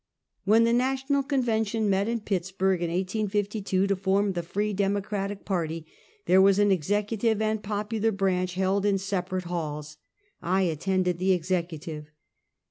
When the National Convention met in Pittsburg, in 1852, to form the Free Democratic party, there was an executive and popular branch held in separate halls. I attended the executive.